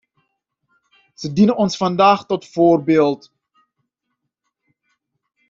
Zij dienen ons vandaag tot voorbeeld.